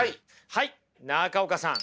はい中岡さん。